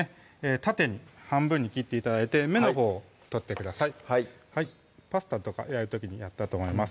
縦に半分に切って頂いて芽のほうを取ってくださいパスタとかやる時にやったと思います